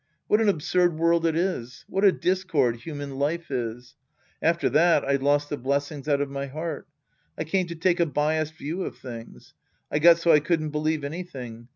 What an absurd world it is ! What a discord human life is ! After that, I lost the blessing out of my heart. I came to take a biased view of things. I got so I couldn't believe anything.